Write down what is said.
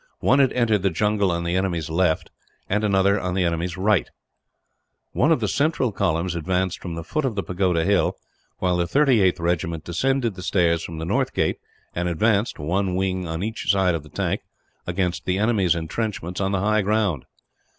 One had entered the jungle on the enemy's left, and another on the right. One of the central columns advanced from the foot of the pagoda hill, while the 38th Regiment descended the stairs from the north gate and advanced, one wing on each side of the tank, against the enemy's entrenchments on the high ground.